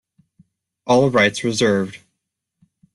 All rights reserved.